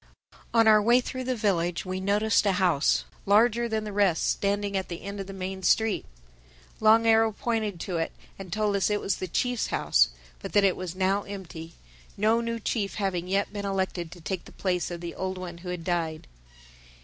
On our way through the village we noticed a house, larger than the rest, standing at the end of the main street. Long Arrow pointed to it and told us it was the Chief's house, but that it was now empty—no new chief having yet been elected to take the place of the old one who had died.